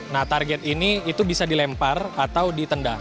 nah target ini itu bisa dilempar atau ditendang